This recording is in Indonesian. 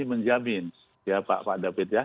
menjamin ya pak david ya